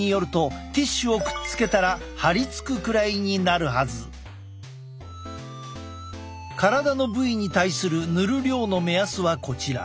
専門医によると体の部位に対する塗る量の目安はこちら。